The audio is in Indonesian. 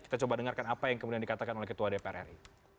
kita coba dengarkan apa yang kemudian dikatakan oleh ketua dpr ri